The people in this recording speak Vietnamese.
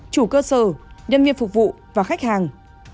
chủ cơ sở nhân viên phục vụ và khách hàng